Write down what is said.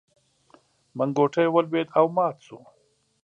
منګوټی ولوېد او مات شو.